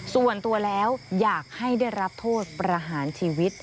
ส่วนตัวแล้วอยากให้ได้รับโทษประหารชีวิต